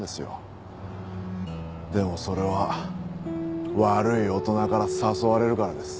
でもそれは悪い大人から誘われるからです。